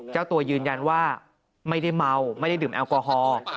เจ้าตัวยืนยันว่าไม่ได้เมาไม่ได้ดื่มแอลกอฮอล์